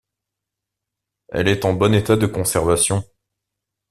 Elle est en bon état de conservation.